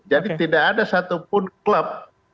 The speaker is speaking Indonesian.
jadi tidak ada satupun klub